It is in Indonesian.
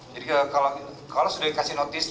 jadi kalau sudah dikasih notice